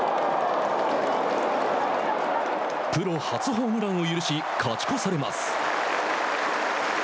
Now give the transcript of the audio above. プロ初ホームランを許し勝ち越されます。